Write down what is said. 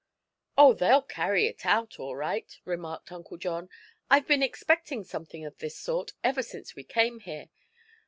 "Oh, they'll carry it out, all right," remarked Uncle John. "I've been expecting something of this sort, ever since we came here.